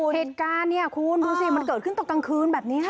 เหตุการณ์เนี่ยคุณดูสิมันเกิดขึ้นตอนกลางคืนแบบนี้ค่ะ